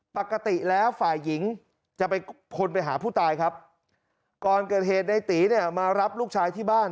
ปกติแล้วฝ่ายหญิงจะไปพลไปหาผู้ตายครับก่อนเกิดเหตุในตีเนี่ยมารับลูกชายที่บ้าน